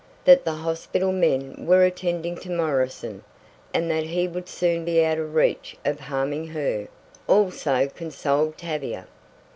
That the hospital men were attending to Morrison, and that he would soon be out of reach of harming her, also consoled Tavia.